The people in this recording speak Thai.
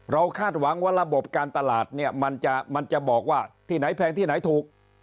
คาดหวังว่าระบบการตลาดเนี่ยมันจะบอกว่าที่ไหนแพงที่ไหนถูก